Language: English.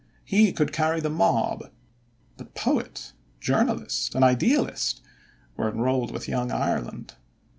He could carry the mob, but poet, journalist, and idealist were enrolled with Young Ireland.